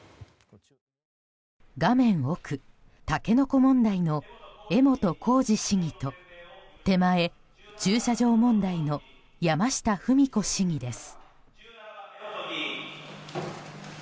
画面奥、タケノコ問題の江本浩二市議と手前、駐車場問題の山下富美子市議です。